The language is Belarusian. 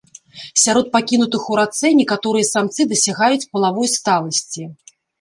Сярод пакінутых у рацэ некаторыя самцы дасягаюць палавой сталасці.